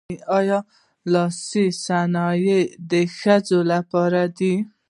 آیا لاسي صنایع د ښځو لپاره دي؟